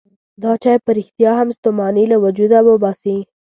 دا چای په رښتیا هم ستوماني له وجوده وباسي.